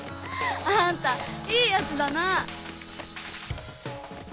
あんたいいヤツだな。